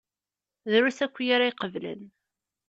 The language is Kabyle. Drus akya ara iqeblen.